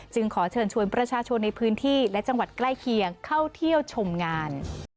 ขอเชิญชวนประชาชนในพื้นที่และจังหวัดใกล้เคียงเข้าเที่ยวชมงาน